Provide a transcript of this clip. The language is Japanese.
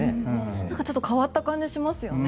ちょっと変わった感じがしますよね。